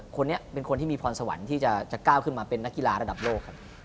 คนนี้เป็นคนที่มีพรสวรรค์ที่จะก้าวขึ้นมาเป็นนักกีฬาระดับโลกครับ